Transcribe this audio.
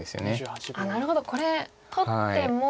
なるほどこれ取っても。